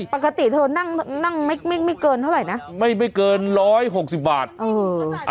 ปกติเธอนั่งนั่งไม่ไม่เกินเท่าไหร่นะไม่ไม่เกินร้อยหกสิบบาทเออ